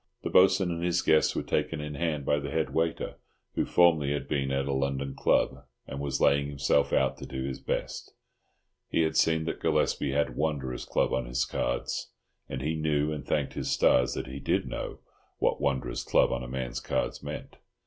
The Bo'sun and his guests were taken in hand by the head waiter, who formerly had been at a London Club, and was laying himself out to do his best; he had seen that Gillespie had "Wanderers' Club" on his cards, and he knew, and thanked his stars that he did know, what "Wanderers' Club" on a man's card meant.